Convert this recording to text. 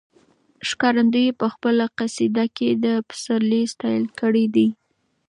ښکارندوی په خپله قصیده کې د پسرلي ستایل کړي دي.